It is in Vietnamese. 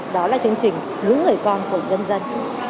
đó là chương trình những người con của nhân dân